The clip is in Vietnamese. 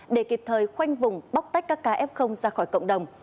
để kịp thời khoanh vùng bóc tách các kf ra khỏi cộng đồng